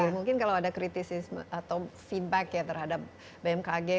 mungkin kalau ada kritik atau feedback terhadap bmkg